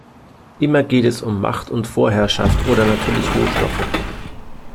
Immer geht es um Macht und Vorherrschaft oder natürlich Rohstoffe.